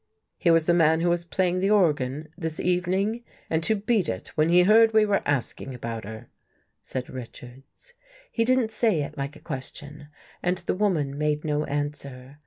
" He was the man who was playing the organ — 130 THE FIRST CONFESSION this evening, and who beat it when he heard we were asking about her," said Richards. He didn't say it like a question and the woman made no answer.